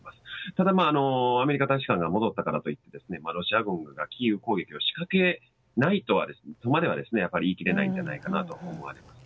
ただ、アメリカ大使館が戻ったからといってロシア軍がキーウ攻撃を仕掛けないとは言い切れないんじゃないかなと思われます。